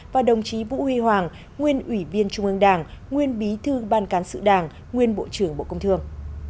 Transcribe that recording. và đồng chí vũ huy hoàng nguyên ủy viên trung ương đảng nguyên bí thư ban cán sự đảng nguyên bộ trưởng bộ công thương